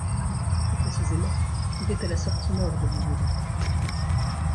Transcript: Plus précisément, il est à la sortie nord d' Hollywood.